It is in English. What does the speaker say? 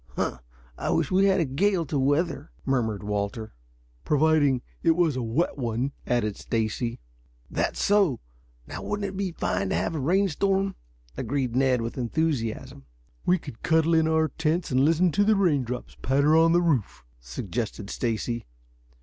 Huh! I wish we had a gale to weather," murmured Walter. "Providing it was a wet one," added Stacy. "That's so. Now wouldn't it be fine to have a rainstorm?" agreed Ned, with enthusiasm. "We could cuddle in our tents and listen to the raindrops patter on the roof," suggested Stacy.